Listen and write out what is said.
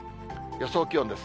予想気温です。